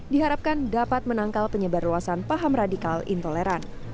diharapkan dapat menangkal penyebar luasan paham radikal intoleran